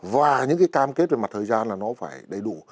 và những cái cam kết về mặt thời gian là nó phải đầy đủ